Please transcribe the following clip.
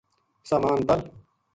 سامان پَل